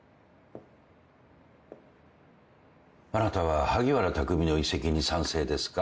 あなたは萩原匠の移籍に賛成ですか？